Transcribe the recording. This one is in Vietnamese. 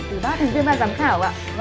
từ ba thành viên ban giám khảo